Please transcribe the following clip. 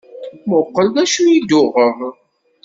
Mmuqqel d acu i d-uɣeɣ.